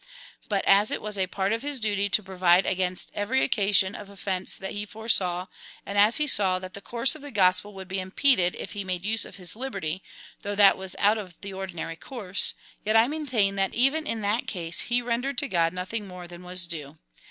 But as it was a part of his duty to provide against every occasion of offence that he foresaw, and as he saw, that the course of the gospel would be impeded, if he made use of his liberty, though that was out of the ordinary course, yet I maintain that even in that case he rendered to God nothing more than was due.